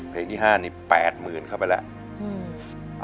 เพลงที่ห้านี่แปดหมื่นเข้าไปแล้วอืม